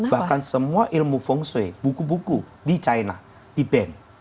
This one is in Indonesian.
bahkan semua ilmu feng shui buku buku di china di ban